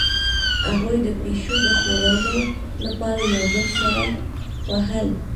هغوی د پیشو د خوړلو لپاره یو بل سره وهل